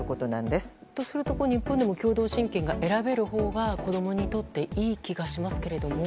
だとすると、日本でも共同親権が選べるほうが子供にとっていい気がしますけれども。